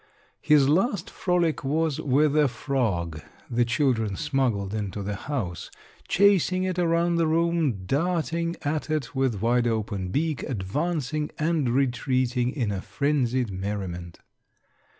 His last frolic was with a frog the children smuggled into the house, chasing it around the room, darting at it with wide open beak, advancing and retreating in a frenzied merriment.